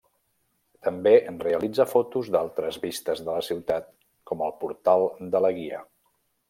També realitza fotos d'altres vistes de la ciutat com el Portal de la Guia.